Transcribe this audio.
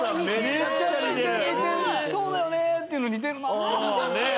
「そうだよねぇ」っていうの似てるな。